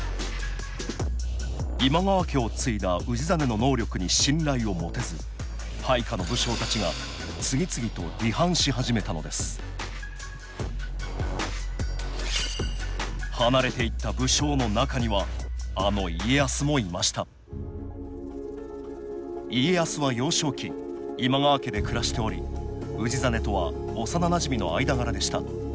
今川家を継いだ氏真の能力に信頼を持てず配下の武将たちが次々と離反し始めたのです離れていった武将の中にはあの家康もいました家康は幼少期今川家で暮らしており氏真とは幼なじみの間柄でした。